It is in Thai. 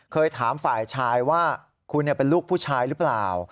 เคยถามฝ่ายชายว่าคุณเป็นลูกผู้ชายหรือเปล่า